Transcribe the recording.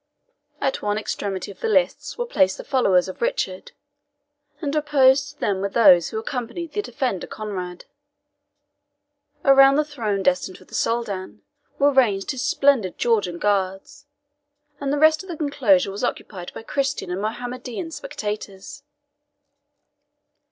At one extremity of the lists were placed the followers of Richard, and opposed to them were those who accompanied the defender Conrade. Around the throne destined for the Soldan were ranged his splendid Georgian Guards, and the rest of the enclosure was occupied by Christian and Mohammedan spectators.